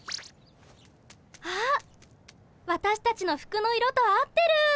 あっわたしたちの服の色と合ってる！